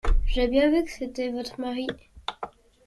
J’ai bien vu que c’était votre mari.